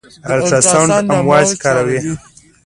د الټراساونډ امواج کاروي.